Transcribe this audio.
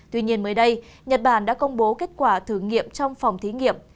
tuy nhiên mới đây nhật bản đã công bố kết quả thử nghiệm trong phòng thí nghiệm